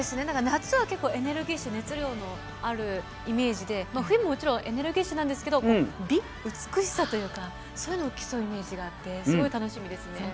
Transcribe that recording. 夏は結構エネルギッシュ熱量のあるイメージで冬ももちろんエネルギッシュなんですけど美しさというかそういうのを競うイメージがあってすごい楽しみですね。